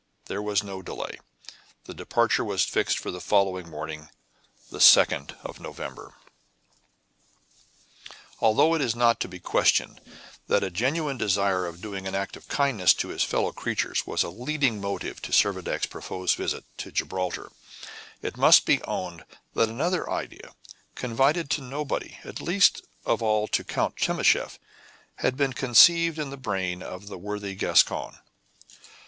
There was no delay. The departure was fixed for the following morning, the 2nd of November. Although it is not to be questioned that a genuine desire of doing an act of kindness to his fellow creatures was a leading motive of Servadac's proposed visit to Gibraltar, it must be owned that another idea, confided to nobody, least of all to Count Timascheff, had been conceived in the brain of the worthy Gascon.